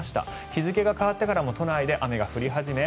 日付が変わってからも都内で雨が降り始め